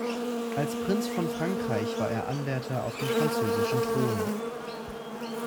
Als Prinz von Frankreich war er Anwärter auf den französischen Thron.